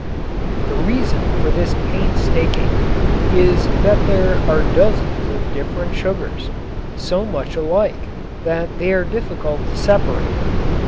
The reason for this painstaking is that there are dozens of different sugars, so much alike that they are difficult to separate.